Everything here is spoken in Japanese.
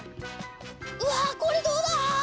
うわこれどうだ！？